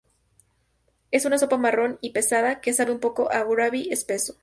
Es una sopa marrón y pesada que sabe un poco a "gravy" espeso.